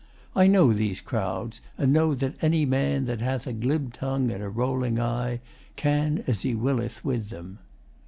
I know these crowds, and know that any man That hath a glib tongue and a rolling eye Can as he willeth with them.